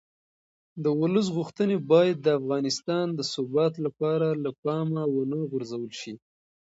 د ولس غوښتنې باید د افغانستان د ثبات لپاره له پامه ونه غورځول شي